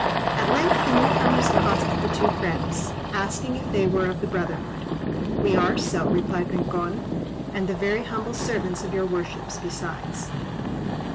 At length the new comers accosted the two friends, asking if they were of the brotherhood. "We are so," replied Rincon, "and the very humble servants of your worships besides."